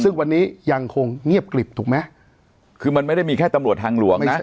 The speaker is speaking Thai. ซึ่งวันนี้ยังคงเงียบกลิบถูกไหมคือมันไม่ได้มีแค่ตำรวจทางหลวงนะ